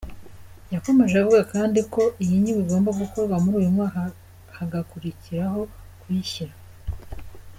Yakomeje avuga kandi ko iyi nyigo igomba gukorwa muri uyu mwaka hagakurikiraho kuyishyira.